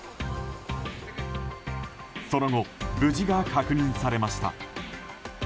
その後、無事が確認されました。